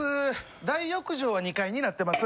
大浴場は２階になってます。